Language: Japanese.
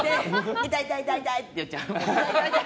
痛い、痛いって言っちゃう。